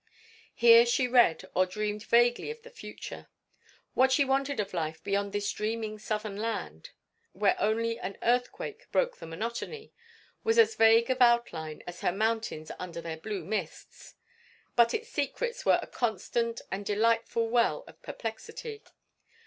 Here she read or dreamed vaguely of the future. What she wanted of life beyond this dreaming Southern land, where only an earthquake broke the monotony, was as vague of outline as her mountains under their blue mists, but its secrets were a constant and delightful well of perplexity.